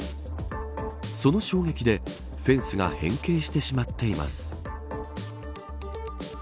その衝撃でフェンスが変形してしまっています。